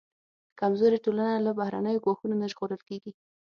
کمزورې ټولنې له بهرنیو ګواښونو نه ژغورل کېږي.